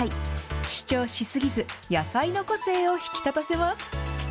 主張し過ぎず、野菜の個性を引き立たせます。